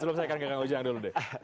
sebelum saya kagetan ujian dulu deh